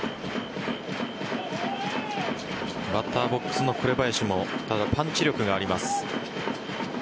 バッターボックスの紅林もパンチ力があります。